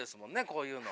こういうの。